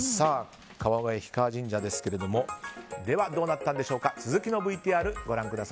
川越氷川神社ですがでは、どうなったんでしょうか。